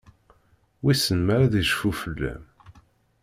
Wissen ma ad icfu fell-am?